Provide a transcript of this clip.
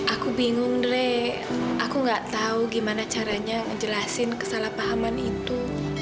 aku bingung ndre aku gak tahu gimana caranya menjelaskan kesalahpahaman itu